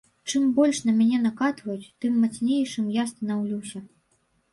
Чым больш на мяне накатваюць, тым мацнейшым я станаўлюся.